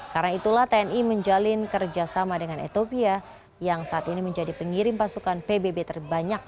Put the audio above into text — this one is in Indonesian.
karena itulah tni menjalin kerjasama dengan etopia yang saat ini menjadi pengirim pasukan pbb terbanyak